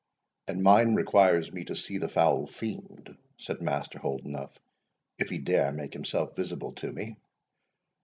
"And mine requires me to see the foul Fiend," said Master Holdenough, "if he dare make himself visible to me.